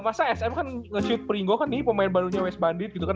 masa sm kan nge shoot pringo kan nih pemain barunya west bandit gitu kan